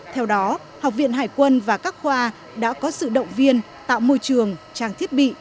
theo đó học viện hải quân và các khoa đã có sự động viên tạo môi trường trang thiết bị